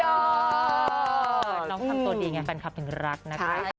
น้องทำตัวดีไงแฟนคลับถึงรักนะคะ